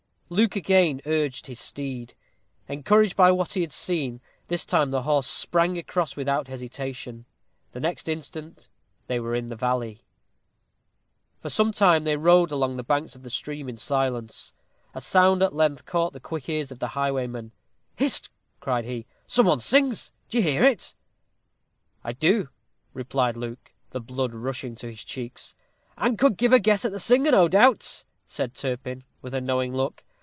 Luke again urged his steed. Encouraged by what he had seen, this time the horse sprang across without hesitation. The next instant they were in the valley. For some time they rode along the banks of the stream in silence. A sound at length caught the quick ears of the highwayman. "Hist!" cried he; "some one sings. Do you hear it?" "I do," replied Luke, the blood rushing to his cheeks. "And could give a guess at the singer, no doubt," said Turpin, with a knowing look.